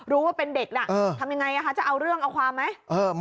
รู้ว่าเป็นเด็กทำอย่างไรจะเอาเรื่องเอาความไหม